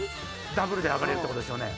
ダブルで上がれるってことですね。